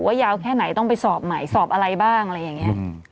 ยาวแค่ไหนต้องไปสอบใหม่สอบอะไรบ้างอะไรอย่างนี้